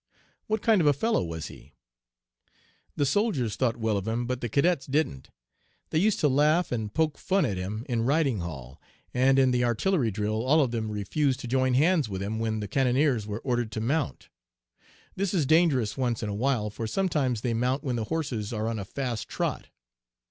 "'What kind of a fellow was he?' "'The soldiers thought well of him, but the cadets didn't. They used to laugh and poke fun at him in Riding Hall, and in the artillery drill all of them refused to join hands with him when the cannoneers were ordered to mount. This is dangerous once in a while, for sometimes they mount when the horses are on a fast trot.